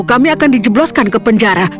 kami akan dijebloskan ke penjara